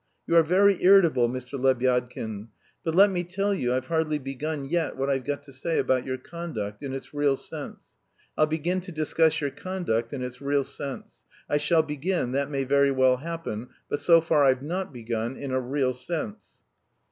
You are very irritable, Mr. Lebyadkin. But let me tell you I've hardly begun yet what I've got to say about your conduct, in its real sense. I'll begin to discuss your conduct in its real sense. I shall begin, that may very well happen, but so far I've not begun, in a real sense."